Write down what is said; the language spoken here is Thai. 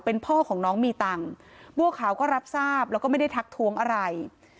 เป็นพ่อของน้องมีตังค์บัวขาวก็รับทราบแล้วก็ไม่ได้ทักท้วงอะไร